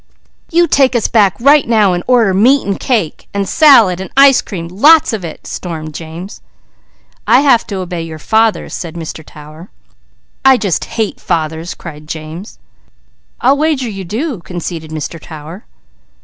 "You take us back right now, and order meat, and cake, and salad and ice cream, lots of it!" stormed James. "I have to obey your father!" said Mr. Tower. "I just hate fathers!" cried James. "I'll wager you do!" conceded Mr. Tower.